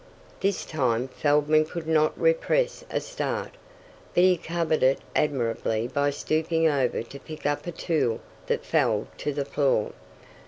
This time Feldman could not repress a start. But he covered it admirably by stooping over to pick up a tool that fell to the floor.